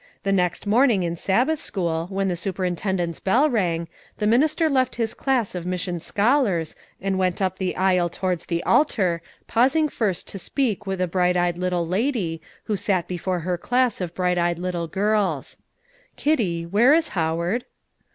The next morning, in Sabbath school, when the superintendent's bell rang, the minister left his class of mission scholars, and went up the aisle towards the altar, pausing first to speak with a bright eyed little lady, who sat before her class of bright eyed little girls. "Kitty, where is Howard?"